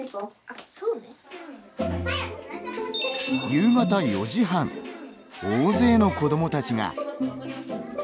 夕方４時半大勢の子どもたちが。